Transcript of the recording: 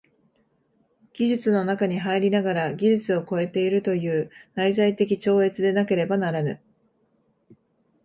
技術の中に入りながら技術を超えているという内在的超越でなければならぬ。